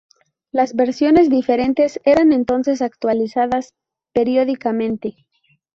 Las versiones diferentes eran entonces actualizadas periódicamente.